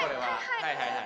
はいはいはい。